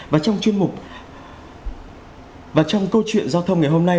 và trong chuyên mục và trong câu chuyện giao thông ngày hôm nay